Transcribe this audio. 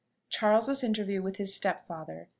CHARLES'S INTERVIEW WITH HIS STEPFATHER.